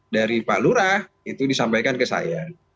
dari pak lurah itu disampaikan ke saya